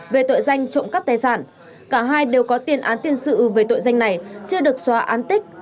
về tội danh trộm cắp tài sản cả hai đều có tiền án tiền sự về tội danh này chưa được xóa án tích